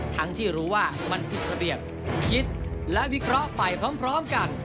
ทั้งที่รู้ว่ามันผิดระเบียบคิดและวิเคราะห์ไปพร้อมกัน